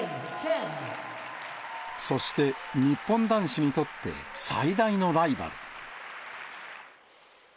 そして、日本男子にとって最大のライバル。